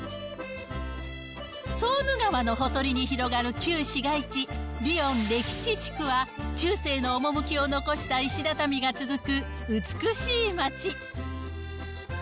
ソーヌ川のほとりに広がる旧市街地、リヨン歴史地区は、中世の趣を残した石畳が続く、美しい街。